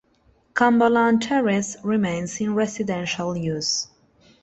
Cumberland Terrace remains in residential use.